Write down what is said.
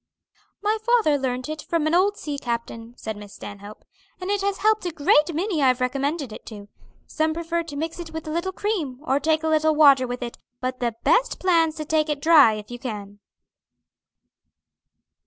"My father learnt it from an old sea captain," said Miss Stanhope; "and it has helped a great many I've recommended it to. Some prefer to mix it with a little cream, or take a little water with it but the best plan's to take it dry if you can."